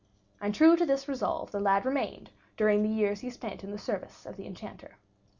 And true to this resolve the lad remained during the years he spent in the service of the Enchanter.